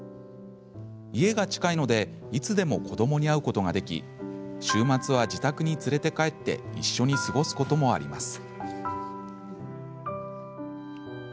家が近いのでいつでも子どもに会うことができ週末は自宅に連れて帰って一緒に過ごすこともあります。